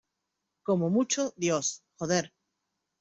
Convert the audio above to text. como mucho, Dios. joder .